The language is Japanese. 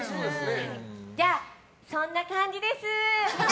じゃあ、そんな感じです。